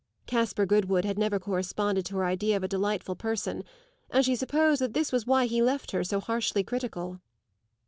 Caspar Goodwood had never corresponded to her idea of a delightful person, and she supposed that this was why he left her so harshly critical.